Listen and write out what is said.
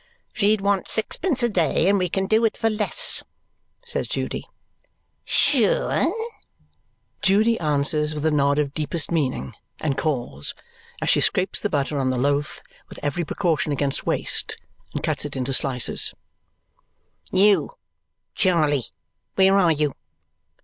"She'd want sixpence a day, and we can do it for less," says Judy. "Sure?" Judy answers with a nod of deepest meaning and calls, as she scrapes the butter on the loaf with every precaution against waste and cuts it into slices, "You, Charley, where are you?"